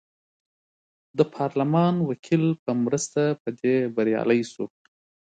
د پارلمان وکیل په مرسته په دې بریالی شو.